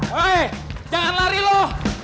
hei jangan lari lu